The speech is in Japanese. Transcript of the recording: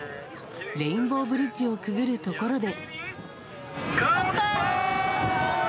レインボーブリッジをくぐるところで。